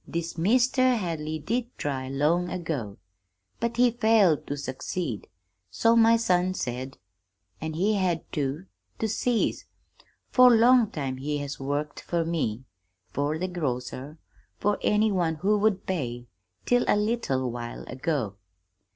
This Meester Hadley did try, long ago, but he failed to succeed, so my son said; an' he had to to cease. For long time he has worked for me, for the grocer, for any one who would pay till a leetle while ago.